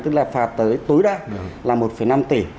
tức là phạt tới tối đa là một năm tỷ